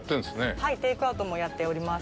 はい、テイクアウトもやっております。